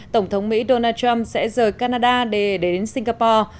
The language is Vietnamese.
tổng thống mỹ donald trump sẽ rời canada để đến singapore